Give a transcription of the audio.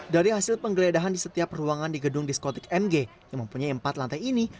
dari hasil penggeledahan di setiap ruangan di gedung diskotik mg yang mempunyai empat lantai ini